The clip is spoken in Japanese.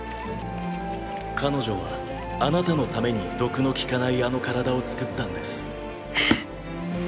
彼女はあなたのために毒の効かないあの体を作ったんです。